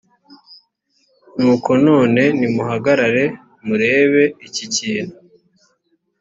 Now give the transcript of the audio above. nuko none nimuhagarare murebe iki kintu